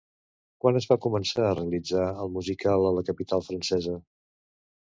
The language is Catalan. Quan es va començar a realitzar el musical a la capital francesa?